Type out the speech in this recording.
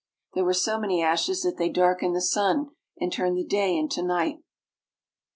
There were so many ashes that they dark ened the sun and turned the day into night.